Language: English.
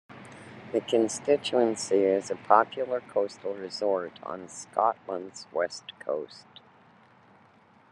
The constituency is a popular coastal resort on Scotland's west coast.